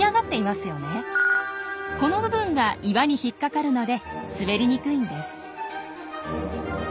この部分が岩に引っ掛かるので滑りにくいんです。